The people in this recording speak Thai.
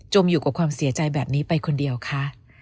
อยู่กับความเสียใจแบบนี้ไปคนเดียวคะ